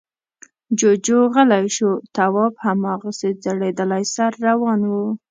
جُوجُو غلی شو. تواب هماغسې ځړېدلی سر روان و.